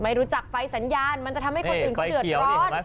รู้จักไฟสัญญาณมันจะทำให้คนอื่นเขาเดือดร้อน